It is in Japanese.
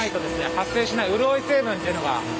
発生しないうるおい成分というのがあります。